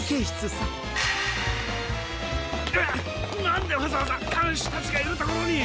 なんでわざわざかんしゅたちがいるところに？